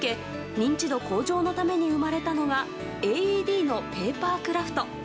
認知度向上のために生まれたのがＡＥＤのペーパークラフト。